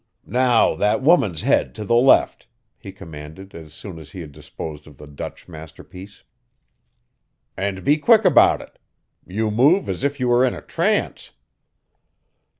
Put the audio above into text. "Now that woman's head to the left," he commanded as soon as he had disposed of the Dutch masterpiece. "And be quick about it. You move as if you were in a trance."